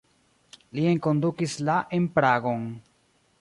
Li enkondukis la en Pragon.